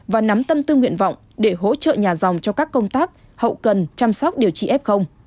và nắm tâm tư nguyện vọng để hỗ trợ nhà dòng cho các công tác hậu cần chăm sóc điều trị f